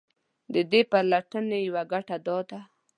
د دې پرتلنې يوه ګټه دا وي.